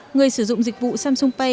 người sử dụng dịch vụ samsung pay